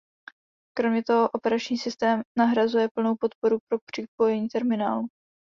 Kromě toho operační systém nezahrnuje plnou podporu pro připojení terminálu.